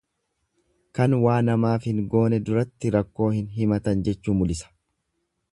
Kan waa namaaf hin goone duratti rakkoo hin himatan jechuu mulisa.